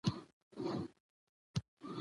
د افغانستان لويي لاري تاریخي وي.